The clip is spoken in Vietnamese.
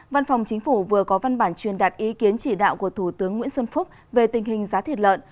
văn phòng chính phủ vừa có văn bản truyền đạt ý kiến chỉ đạo của thủ tướng nguyễn xuân phúc về tình hình giá thịt lợn